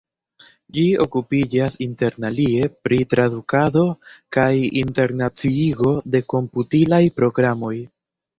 Ĝi okupiĝas interalie pri tradukado kaj internaciigo de komputilaj programoj.